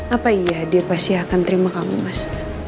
apa iya dia pasti akan terima kamu mas